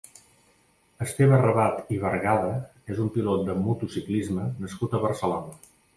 Esteve Rabat i Bergada és un pilot de motociclisme nascut a Barcelona.